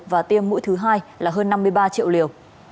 và tiêm mũi thứ hai là hơn năm mươi ba triệu liều